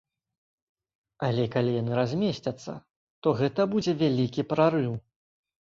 Але калі яны размесцяцца, то гэта будзе вялікі прарыў.